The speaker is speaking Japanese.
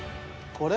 これ？